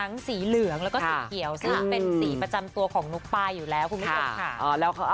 เป็นสีประจำตัวของนุ๊กป้ายอยู่แล้วคุณผู้ชมค่ะ